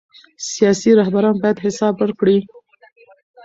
سیاسي رهبران باید حساب ورکړي